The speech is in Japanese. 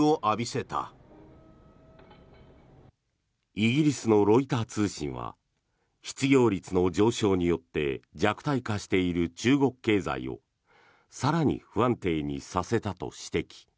イギリスのロイター通信は失業率の上昇によって弱体化している中国経済を更に不安定にさせたと指摘。